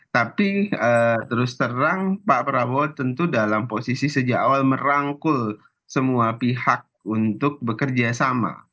tapi terus terang pak prabowo tentu dalam posisi sejak awal merangkul semua pihak untuk bekerja sama